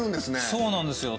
そうなんですよ。